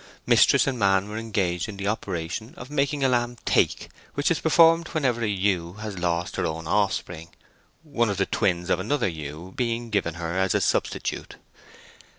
Mistress and man were engaged in the operation of making a lamb "take," which is performed whenever an ewe has lost her own offspring, one of the twins of another ewe being given her as a substitute.